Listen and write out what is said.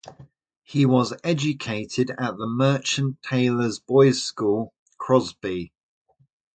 He was educated at the Merchant Taylors' Boys' School, Crosby.